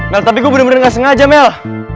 nah tapi gue bener bener gak sengaja mel